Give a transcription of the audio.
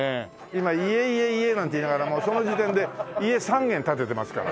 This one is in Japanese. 今「イエイエイエ」なんて言いながらもうその時点で家３軒建ててますから。